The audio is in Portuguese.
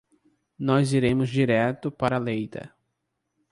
Nós iremos direto para Lleida.